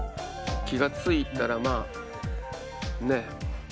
気が付いたらまあねえ。